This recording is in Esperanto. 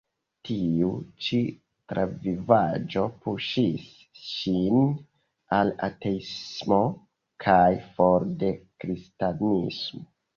Tiu ĉi travivaĵo puŝis ŝin al ateismo kaj for de Kristanismo.